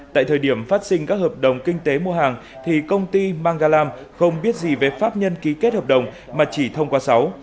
tại thời điểm phát sinh các hợp đồng kinh tế mua hàng thì công ty manggalam không biết gì về pháp nhân ký kết hợp đồng mà chỉ thông qua sáu